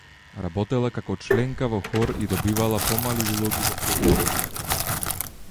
Работела како членка во хор и добивала помали улоги во филмовите.